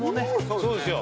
そうですね